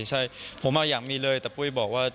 ใช่ผมอยากมีเลยแต่ปุ้ยบอกว่า